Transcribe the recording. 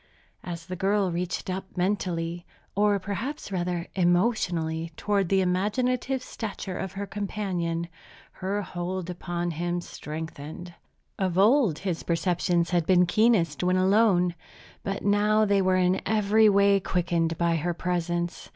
As the girl reached up mentally, or perhaps, rather, emotionally, toward the imaginative stature of her companion, her hold upon him strengthened. Of old, his perceptions had been keenest when alone, but now they were in every way quickened by her presence.